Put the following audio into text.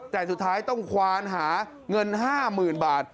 แต่สุดท้ายต้องควานหาเงิน๕๐๐๐บาท